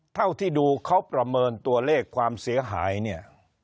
เท่าที่ดูเขาประเมินตัวเลขความเสียหายเนี่ย